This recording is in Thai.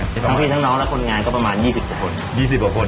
และต่างน้องและคนงานก็ประมาณ๒๐รกคน